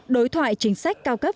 đối thoại chính sách cao cấp